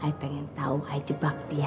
aik pengen tau aik jebak dia